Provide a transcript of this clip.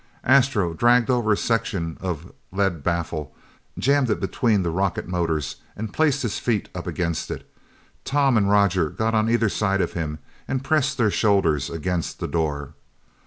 Astro dragged over a section of lead baffle, jammed it between the rocket motors and placed his feet up against it. Tom and Roger got on either side of him and pressed their shoulders against the door.